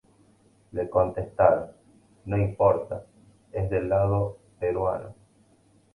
Le contestaron: "No importa, es del lado peruano.